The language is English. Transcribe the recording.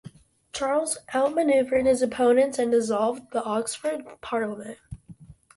Charles outmanoeuvred his opponents and dissolved the Oxford Parliament.